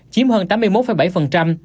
chiếm hơn tám mươi một bảy